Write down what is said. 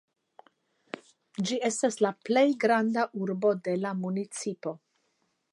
Ĝi estas la plej granda urbo de la municipo.